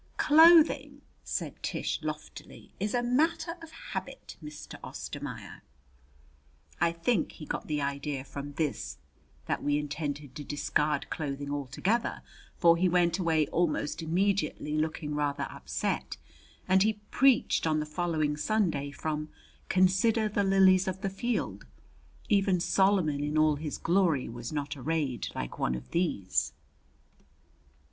"Clothing," said Tish loftily, "is a matter of habit, Mr. Ostermaier." I think he got the idea from this that we intended to discard clothing altogether, for he went away almost immediately, looking rather upset, and he preached on the following Sunday from "Consider the lilies of the field.... Even Solomon in all his glory was not arrayed like one of these."